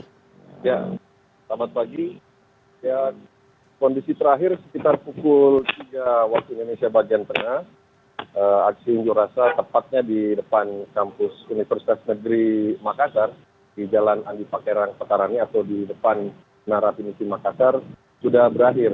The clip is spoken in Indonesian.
ya selamat pagi kondisi terakhir sekitar pukul tiga waktu indonesia bagian tengah aksi unjuk rasa tepatnya di depan kampus universitas negeri makassar di jalan andi pakerang petarani atau di depan narasi musi makassar sudah berakhir